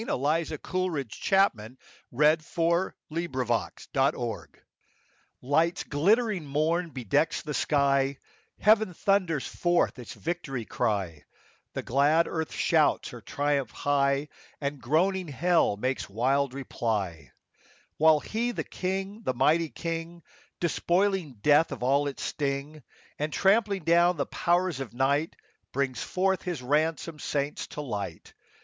Alleluia ! Amen. Hymns Ancient and Modern. 46 " 2H>foe foitlj us," Light's glittering morn bedecks the sky, Heaven thunders forth its victor cry, The glad earth shouts her triumph high, And groaning hell makes wild reply ; While He, the King, the mighty King, Despoiling death of all its sting, And trampling down the powers of night, Brings forth His ransomed saints to light.